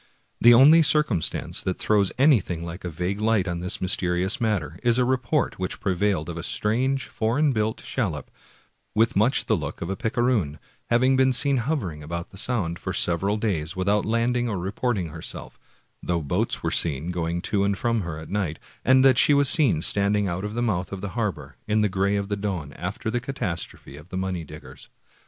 The only cir cumstance that throws anything like a vague light on this mysterious matter is a report which prevailed of a strange, foreign built shallop, with much the look of a picaroon,^ having been seen hovering about the Sound for several days without landing or reporting herself, though boats were seen going to and from her at night; and that she was seen standing out of the mouth of the harbor, in the gray of the dawn, after the catastrophe of the money diggers.